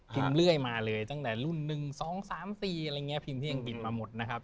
พิมพ์เรื่อยมาเลยตั้งแต่รุ่น๑๒๓๔พิมพ์ที่อังกฤษมาหมดนะครับ